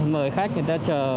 mời khách người ta chờ